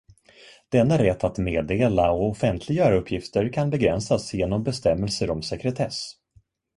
Denna rätt att meddela och offentliggöra uppgifter kan begränsas genom bestämmelser om sekretess.